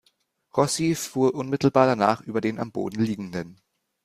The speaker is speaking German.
Rossi fuhr unmittelbar danach über den am Boden Liegenden.